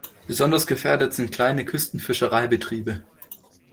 Besonders gefährdet sind kleine Küstenfischereibetriebe.